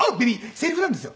セリフなんですよ。